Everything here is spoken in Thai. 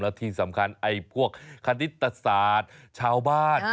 ที่สำคัญไอ้พวกคณิตศาสตร์ชาวบ้าน